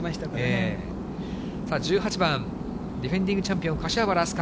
ーさあ１８番、ディフェンディングチャンピオン、柏原明日架。